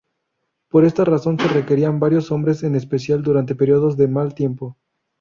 Por esta razón se requerían varios hombres en especial durante períodos de mal tiempo.